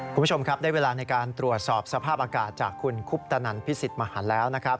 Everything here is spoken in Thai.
คุณผู้ชมครับได้เวลาในการตรวจสอบสภาพอากาศจากคุณคุปตนันพิสิทธิ์มหันแล้วนะครับ